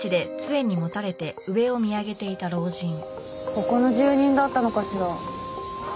ここの住人だったのかしら。